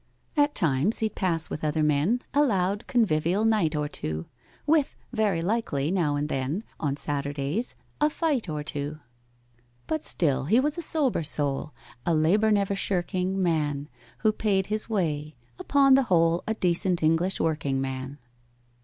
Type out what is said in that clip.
At times he'd pass with other men A loud convivial night or two, With, very likely, now and then, On Saturdays, a fight or two. But still he was a sober soul, A labour never shirking man, Who paid his way—upon the whole A decent English working man.